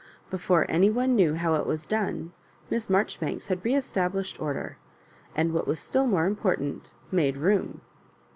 Before any one knew how it was done. Miss Marjoribanks had re estab lished order, and, what was still more important, made room.